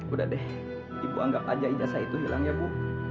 udah deh ibu anggap aja ijazah itu hilang ya bu